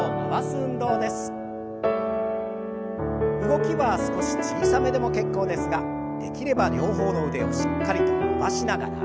動きは少し小さめでも結構ですができれば両方の腕をしっかりと伸ばしながら。